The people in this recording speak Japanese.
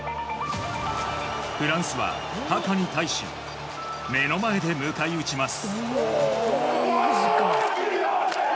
フランスはハカに対し目の前で迎え撃ちます。